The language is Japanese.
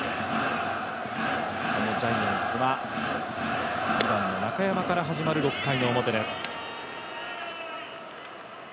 そのジャイアンツは２番の中山から始まる６回の表です。